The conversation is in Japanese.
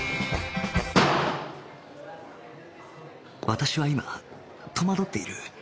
私は今とまどっている